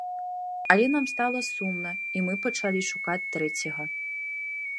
Але нам стала сумна і мы пачалі шукаць трэцяга.